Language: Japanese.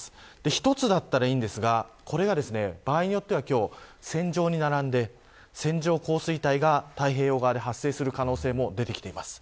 １つだったらいいんですがこれが場合によっては線状に並んで、線状降水帯が太平洋側で発生する可能性も出てきています。